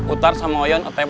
utar sama yuran otw